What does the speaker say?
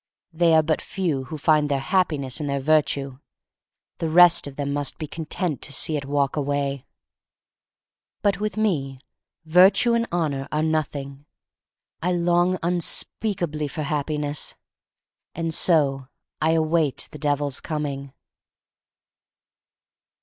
They are but few who find their Happiness in their Virtue. The rest of them must be content to see it walk away. 26 THE STORY OF MARY MAC LANE But with me Virtue and Honor are nothing. I long unspeakably for Happiness. And so I await the Devil's coming.